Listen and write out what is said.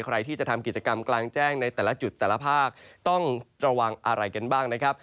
ใครที่จะทำกิจกรรมกลางแจ้งในแต่ละจุดแต่ละภาคต้องระวังอะไรกันบ้างนะครับ